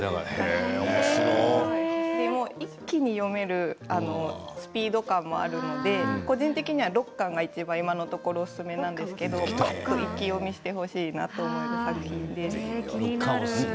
だから少女漫画の革命と一気に読めるスピード感もあるので個人的には６巻が今のところおすすめなんですけれど一気読みしてほしいなと思います。